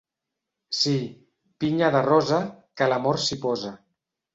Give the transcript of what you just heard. Sí, pinya de rosa, que l'amor s'hi posa.